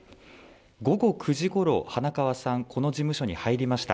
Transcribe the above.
午後９時ごろ、花川さん、この事務所に入りました。